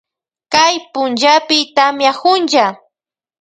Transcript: Kay punllapi tamiakunlla.